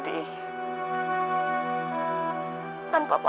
selalu menghapus air mata aku ketika aku sedih